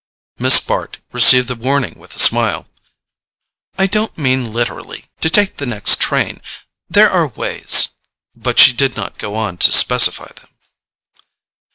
Miss Bart received the warning with a smile. "I don't mean, literally, to take the next train. There are ways——" But she did not go on to specify them.